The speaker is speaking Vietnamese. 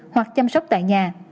hoặc chăm sóc tại nhà